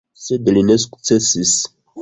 Sed li ne sukcesis.